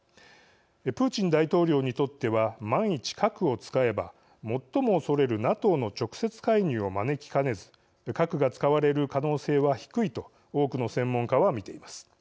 プーチン大統領にとっては万一、核を使えば最も恐れるＮＡＴＯの直接介入を招きかねず核が使われる可能性は低いと多くの専門家は見ています。